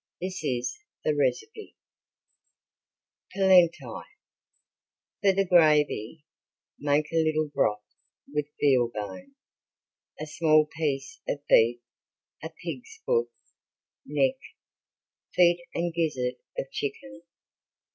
This is the recipe: Polenti For the gravy: Make a little broth with veal bone, a small piece of beef, a pig's foot, neck, feet and gizzard of chicken.